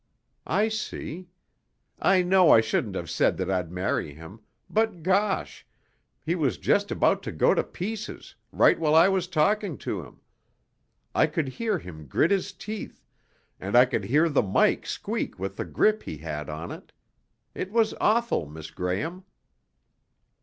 "I see. I know I shouldn't have said that I'd marry him, but gosh, he was just about to go to pieces, right while I was talking to him. I could hear him grit his teeth, and I could hear the mike squeak with the grip he had on it. It was awful, Miss Graham."